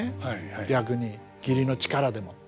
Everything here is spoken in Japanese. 逆に義理の力でもって。